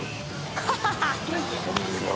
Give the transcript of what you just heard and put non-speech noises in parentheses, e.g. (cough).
ハハハ (laughs)